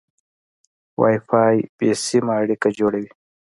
وای فای بې سیمه اړیکه جوړوي.